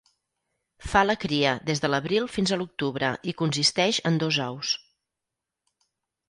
Fa la cria des de l'abril fins a l'octubre i consisteix en dos ous.